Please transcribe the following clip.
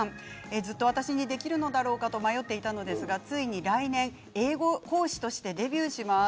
ずっと私にできるのだろうかと迷っていたのですがついに来年英語講師としてデビューします。